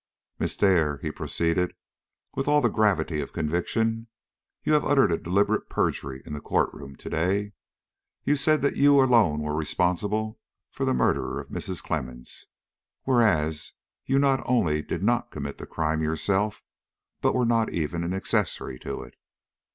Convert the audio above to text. "Miss Dare," he proceeded with all the gravity of conviction, "you have uttered a deliberate perjury in the court room to day. You said that you alone were responsible for the murder of Mrs. Clemmens, whereas you not only did not commit the crime yourself but were not even an accessory to it.